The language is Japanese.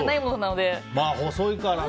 細いからね。